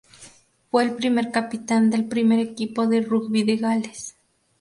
Fue el primer capitán del primer equipo de rugby de Gales.